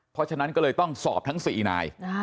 เพราะฉะนั้นก็เลยต้องสอบทั้ง๔นาย